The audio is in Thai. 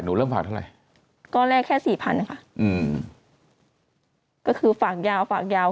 หนูเริ่มฝากเท่าไหร่ก็แรกแค่๔๐๐๐ค่ะก็คือฝากยาวฝากยาว